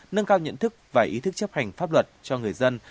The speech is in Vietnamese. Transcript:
nâng cao nhận thức và ý thức chấp hành pháp luật cho người dân